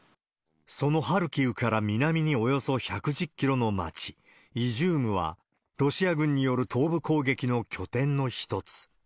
そのハルキウから南におよそ１１０キロの町、イジュームは、ロシア軍による東部攻撃の拠点の一つ。